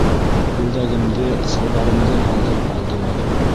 Күлдәгемде, салбарымды һалдырып алдылар.